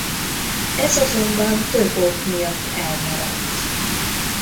Ez azonban több ok miatt elmaradt.